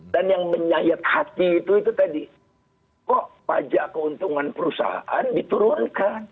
dan yang menyayat hati itu tadi kok pajak keuntungan perusahaan diturunkan